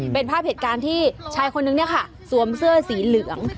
เป็นภาพเหตุการณ์ที่ชายคนนึงเนี่ยค่ะสวมเสื้อสีเหลือง